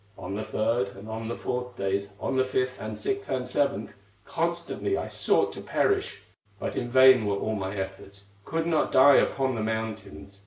"On the third and on the fourth days, On the fifth, and sixth, and seventh, Constantly I sought to perish; But in vain were all my efforts, Could not die upon the mountains.